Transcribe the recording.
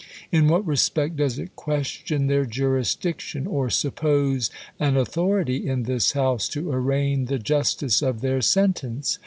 In what respect does it question their jurisdiction, or suppose an authority io this House lo arraign the justice of their sentence